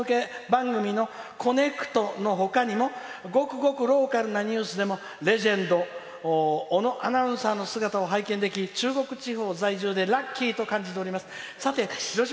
「生さだ」で番宣されてました中国地方の「コネクト」のほかにもごくごくローカルなニュースでもレジェンド小野アナウンサーの姿を拝見でき中国地方在住でラッキーと思っております。